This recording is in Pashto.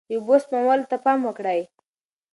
د اوبو سپمولو ته پام وکړئ.